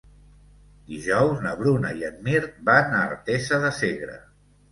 Dijous na Bruna i en Mirt van a Artesa de Segre.